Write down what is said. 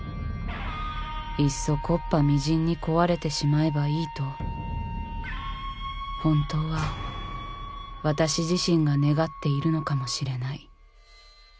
いっそ木っ端みじんに壊れてしまえばいいと本当は私自身が願っているのかもしれない。